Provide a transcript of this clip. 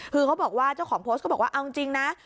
คือเขาบอกว่าเจ้าของโพสต์ก็บอกว่าเอาจริงนะ